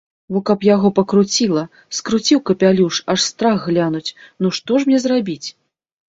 Во каб яго пакруціла, скруціў капялюш, аж страх глянуць, ну, што ж мне зрабіць?